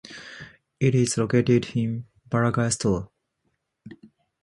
It is located in Barangay Sto.